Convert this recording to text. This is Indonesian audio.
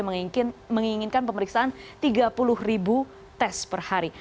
yang menginginkan pemeriksaan tiga puluh tes per hari